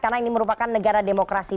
karena ini merupakan negara demokrasi